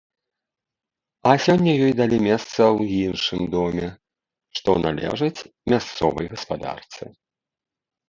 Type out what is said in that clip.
А сёння ёй далі месца ў іншым доме, што належыць мясцовай гаспадарцы.